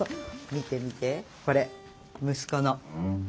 見て見てこれ息子のＳＮＳ。